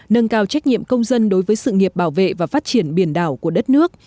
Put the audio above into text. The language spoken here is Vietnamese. nâng cao trách nhiệm công dân đối với sự nghiệp bảo vệ và phát triển biển đảo của đất nước